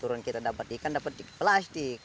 turun kita dapat ikan dapat plastik